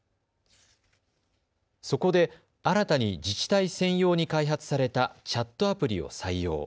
そこで新たに自治体専用に開発されたチャットアプリを採用。